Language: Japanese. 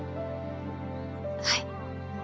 はい。